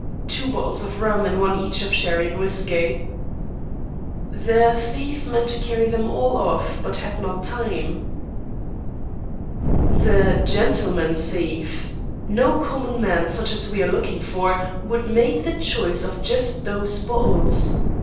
Two bottles of rum and one each of sherry and whiskey." "The thief meant to carry them all off, but had not time." "The gentleman thief! No common man such as we are looking for, would make choice of just those bottles.